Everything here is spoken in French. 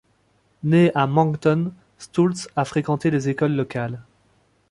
Née à Moncton, Stultz a fréquenté les écoles locales.